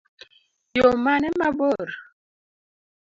Yoo mane mabor?